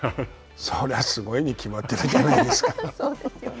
それはすごいに決まってるじゃないですか。